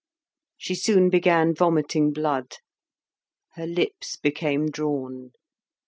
She soon began vomiting blood. Her lips became drawn.